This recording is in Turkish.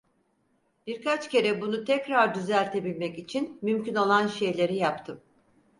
Birkaç kere bunu tekrar düzeltebilmek için mümkün olan şeyleri yaptım.